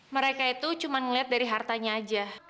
mereka itu cuma melihat dari hartanya aja